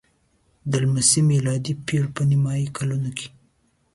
د لسمې میلادي پېړۍ په نیمايي کلونو کې.